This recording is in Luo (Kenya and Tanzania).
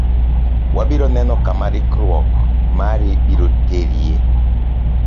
Wabiro neno kama rikruok mari biro terie.